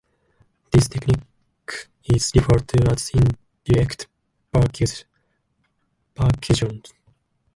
This technique is referred to as indirect percussion.